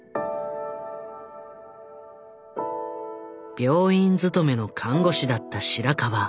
病院勤めの看護師だった白川。